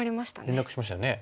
連絡しましたよね。